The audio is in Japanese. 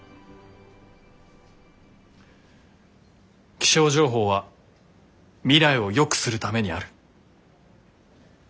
気象情報は未来をよくするためにある。